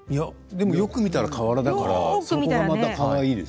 よく見たら瓦だからそこもかわいい。